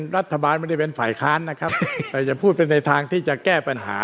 รัฐบาลไม่ได้เป็นฝ่ายค้านนะครับแต่อย่าพูดไปในทางที่จะแก้ปัญหา